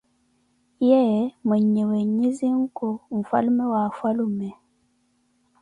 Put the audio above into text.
Ye, mweenyewe nyi zinku mfwalume wa afwalume.